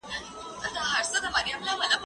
کېدای سي کتابونه ستړي وي!.